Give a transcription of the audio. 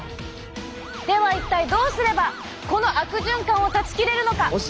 では一体どうすればこの悪循環を断ち切れるのか。